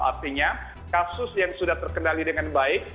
artinya kasus yang sudah terkendali dengan baik